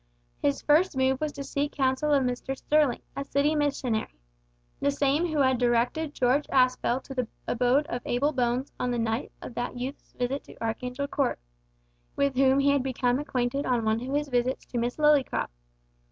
His first move was to seek counsel of Mr Sterling, a city missionary the same who had directed George Aspel to the abode of Abel Bones on the night of that youth's visit to Archangel Court, with whom he had become acquainted on one of his visits to Miss Lillycrop.